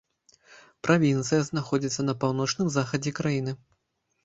Правінцыя знаходзіцца на паўночным захадзе краіны.